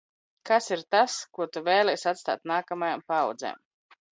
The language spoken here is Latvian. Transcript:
Kas ir tas, ko tu vēlies atstāt nākamajām paaudzēm?